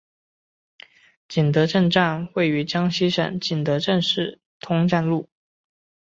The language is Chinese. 景德镇站位于江西省景德镇市通站路。